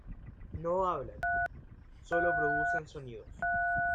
No hablan, sólo producen sonidos.